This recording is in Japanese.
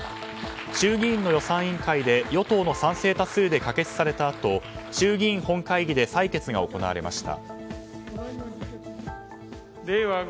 衆議院の予算委員会で与党の賛成多数で可決されたあと衆議院本会議で採決が行われました。